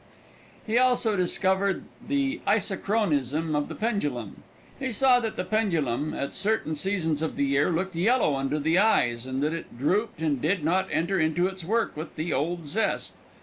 He also discovered the isochronism of the pendulum. He saw that the pendulum at certain seasons of the year looked yellow under the eyes, and that it drooped and did not enter into its work with the old zest.